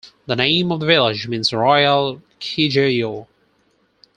The name of the village means "Royal Kijewo".